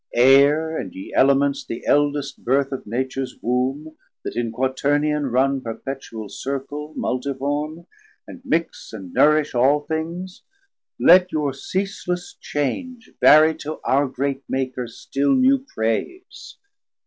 Aire, and ye Elements the eldest birth 180 Of Natures Womb, that in quaternion run Perpetual Circle, multiform; and mix And nourish all things, let your ceasless change Varie to our great Maker still new praise.